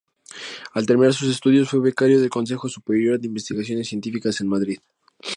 Al terminar sus estudios fue becario del Consejo Superior de Investigaciones Científicas en Madrid.